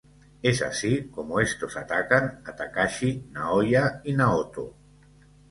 Es así como estos atacan a Takashi, Naoya y Naoto.